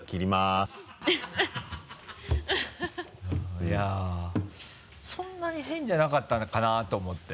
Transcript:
いやそんなに変じゃなかったかなと思って。